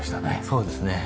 そうですね。